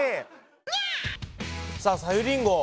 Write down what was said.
さあさゆりんご